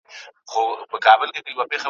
زه به څرنګه د دوی په دام کي لوېږم `